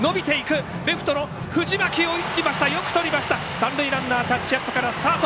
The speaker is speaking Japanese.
三塁ランナー、タッチアップからスタート。